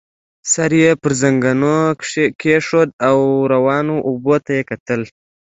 سر يې پر زنګنو کېښود او روانو اوبو ته يې کتل.